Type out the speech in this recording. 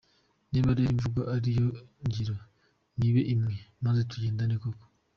Niba rero imvugo ari iyo, n’ingiro nibe imwe, maze tugendane koko.